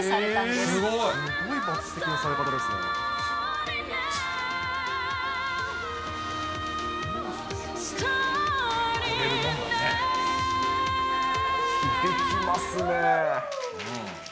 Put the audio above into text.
すごい抜てきのされ方ですね。